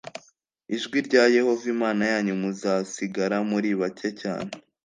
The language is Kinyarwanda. ijwi rya Yehova Imana yanyu muzasigara muri bake cyane.